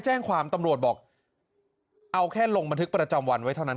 แจ้งความตำรวจบอกเอาแค่ลงบันทึกประจำวันไว้เท่านั้น